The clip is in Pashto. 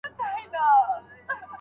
آیا اوبه تر خوږو څښاکونو ښې دي؟